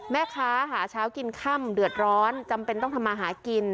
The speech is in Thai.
แม่ค้าหาเช้ากินค่ำเดือดร้อนจำเป็นต้องทำมาหากิน